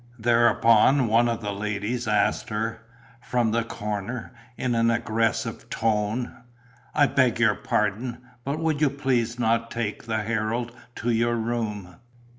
Thereupon one of the ladies asked her, from the corner, in an aggressive tone: "I beg your pardon, but would you please not take the Herald to your room?"